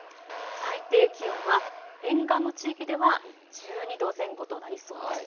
最低気温は沿岸の地域では１２度前後となりそうです。